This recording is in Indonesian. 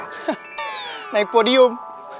hah naik podium